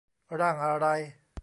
ร่างอะไร ?